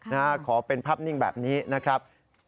นะฮะขอเป็นพรับนิ่งแบบนี้นะครับ